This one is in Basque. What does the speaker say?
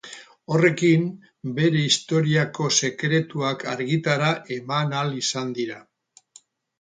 Horrekin, bere historiako sekretuak argitara eman ahal izan dira.